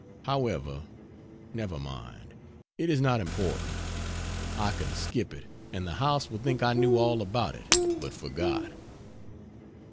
However, never mind, it is not important I can skip it, and the house will think I knew all about it, but forgot.